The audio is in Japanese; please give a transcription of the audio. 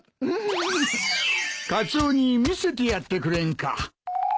カツオに見せてやってくれんか。